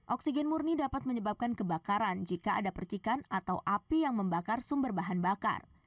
oksigen murni dapat menyebabkan kebakaran jika ada percikan atau api yang membakar sumber bahan bakar